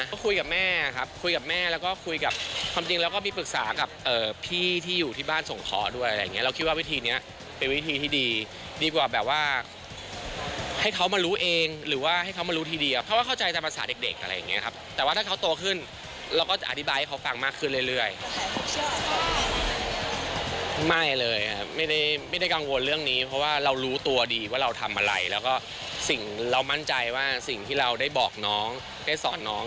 ก็คุยกับแม่ครับคุยกับแม่แล้วก็คุยกับความจริงแล้วก็มีปรึกษากับพี่ที่อยู่ที่บ้านสงเคราะห์ด้วยอะไรอย่างเงี้ยเราคิดว่าวิธีเนี้ยเป็นวิธีที่ดีดีกว่าแบบว่าให้เขามารู้เองหรือว่าให้เขามารู้ทีดีกว่าเพราะว่าเข้าใจแต่ภาษาเด็กอะไรอย่างเงี้ยครับแต่ว่าถ้าเขาโตขึ้นเราก็จะอธิบายให้เขา